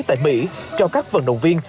tại mỹ cho các vận động viên